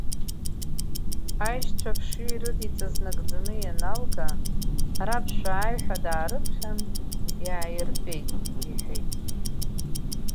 Аишьцәа аԥшҩы ирыдиҵаз нагӡаны ианалга, раб шәааи ҳәа даарыԥхьан, иааиртәеит, — иҳәеит.